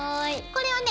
これをね